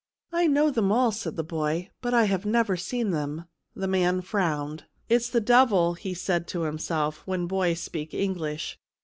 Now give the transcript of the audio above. "I know them all," said the boy, "but I have never seen them." The man frowned. " It's the devil," he said to himself, " when boys speak English."